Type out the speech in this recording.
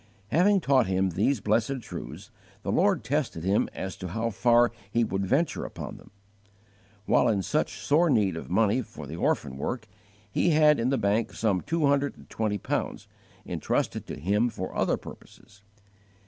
Having taught him these blessed truths, the Lord tested him as to how far he would venture upon them. While in such sore need of money for the orphan work, he had in the bank some two hundred and twenty pounds, intrusted to him for other purposes.